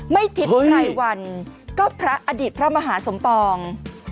ไม่ทิศใครวันก็พระอดีตพระมหาสมปอง